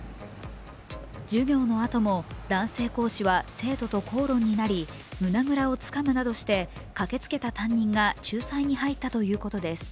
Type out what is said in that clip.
授業のあとも男性講師は生徒と口論になり胸ぐらをつかむなどして駆けつけた担任が仲裁に入ったということです。